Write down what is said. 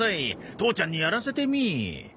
父ちゃんにやらせてみ。